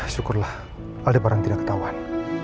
syukurlah ada barang tidak ketahuan